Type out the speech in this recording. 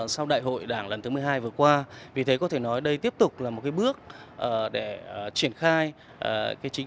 sau đại hội đảng lần thứ một mươi hai vừa qua vì thế có thể nói đây tiếp tục là một bước để triển khai chính